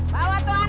bawa tuh anak cepet